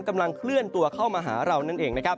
กำลังเคลื่อนตัวเข้ามาหาเรานั่นเองนะครับ